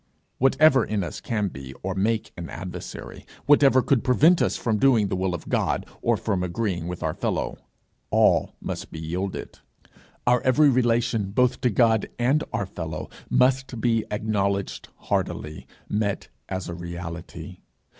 Whatever in us can be or make an adversary, whatever could prevent us from doing the will of God, or from agreeing with our fellow all must be yielded. Our every relation, both to God and our fellow, must be acknowledged heartily, met as a reality.